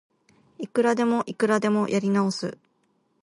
いくらでもいくらでもやり直す